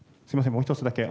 もう１つだけ。